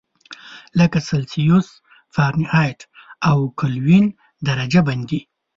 لکه سلسیوس، فارنهایت او کلوین درجه بندي.